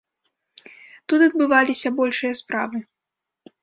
Тут адбываліся большыя справы.